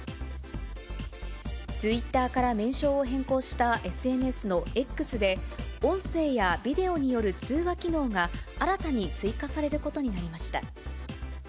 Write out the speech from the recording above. ツイッターから名称を変更したＳＮＳのＸで、音声やビデオによる通話機能が、新たに追加されることになりました。